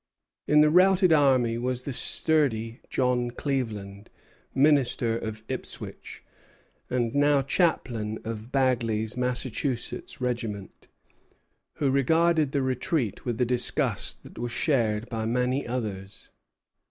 In the routed army was the sturdy John Cleaveland, minister of Ipswich, and now chaplain of Bagley's Massachusetts regiment, who regarded the retreat with a disgust that was shared by many others.